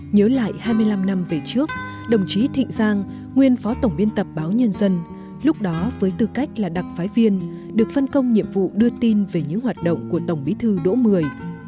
nhớ lại hai mươi năm năm về trước đồng chí thịnh giang nguyên phó tổng biên tập báo nhân dân lúc đó với tư cách là đặc phái viên được phân công nhiệm vụ đưa tin về những hoạt động của tổng bí thư đỗ mười